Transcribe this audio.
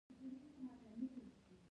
دساتیر عاجل هدایت ته ویل کیږي.